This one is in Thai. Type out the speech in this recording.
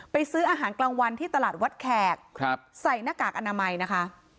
ซื้ออาหารกลางวันที่ตลาดวัดแขกใส่หน้ากากอนามัยนะคะ